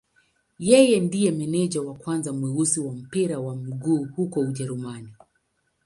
Yeye ndiye meneja wa kwanza mweusi wa mpira wa miguu huko Ujerumani.